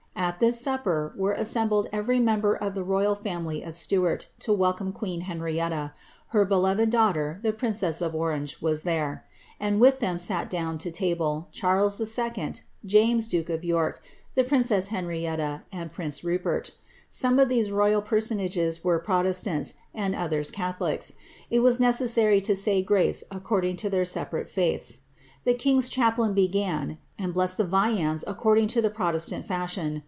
At this supper were assembled every member of the royal family of Stuart, to welcome queen Henrietta; her beloved daugh ter, the princess of Orange, was there *, and with them sat down to table, Charles If., James, duke of York, tlie princess Henrietta, and prince Ru pert. Some of these royal personages were protestants, and others catholics: it was necessary to say grace acconling to their separate faiths. The king^s chaplain began, and blessed the viands according to the protestant fashion.